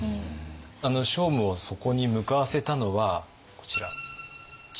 聖武をそこに向かわせたのはこちら智識。